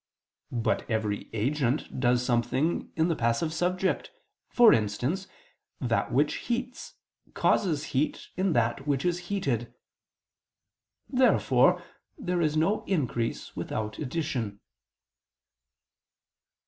But every agent does something in the passive subject: for instance, that which heats, causes heat in that which is heated. Therefore there is no increase without addition.